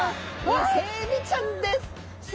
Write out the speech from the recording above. イセエビちゃんです！